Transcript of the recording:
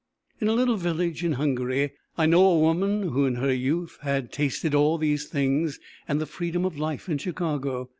In a little village in Hungary I know a woman who in her youth had tasted all these things and the freedom of life in Chicago.